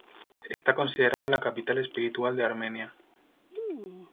Está considerada la capital espiritual de Armenia.